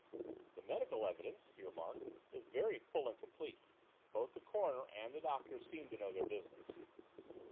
"The medical evidence," he remarked, "is very full and complete. Both the coroner and the doctor seem to know their business."